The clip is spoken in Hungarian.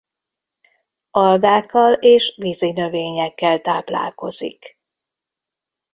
Algákkal és vízinövényekkel táplálkozik.